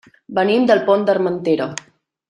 Venim del Pont d'Armentera.